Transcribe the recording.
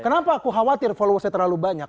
kenapa aku khawatir followersnya terlalu banyak